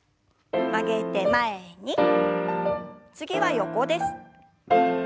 次は横です。